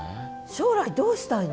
将来どうしたいの？